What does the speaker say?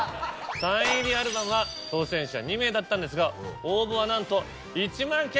サイン入りアルバムは当選者２名だったんですが応募はなんと１万件！